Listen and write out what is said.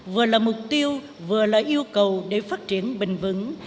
vừa là mục tiêu vừa là yêu cầu để phát triển bình vững